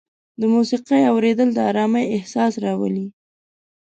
د موسیقۍ اورېدل د ارامۍ احساس راولي.